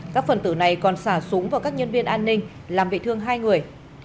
các phần tử này còn xả súng vào các nhân viên an ninh làm bị thương hai người